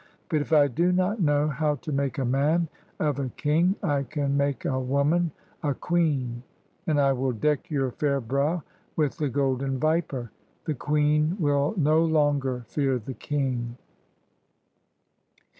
But, if I do not know how to make a man of a king, I can make a woman a queen, and I will deck your fair brow with the golden viper. The queen will no longer fear the king."